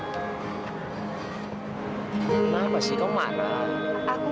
kamu pasti marah kan